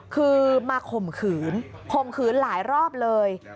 คือมาข่มขืนข่มขืนหลายรอบเลย